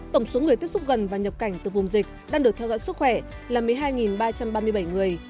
tổng số người tiếp xúc gần và nhập cảnh từ vùng dịch đang được theo dõi sức khỏe là một mươi hai ba trăm ba mươi bảy người